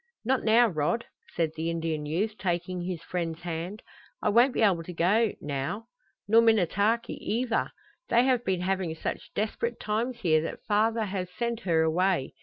"Not now, Rod," said the Indian youth, taking his friend's hand. "I won't be able to go now. Nor Minnetaki either. They have been having such desperate times here that father has sent her away.